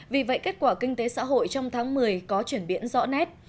vì vậy kết quả kinh tế xã hội trong tháng một mươi có chuyển biến rõ nét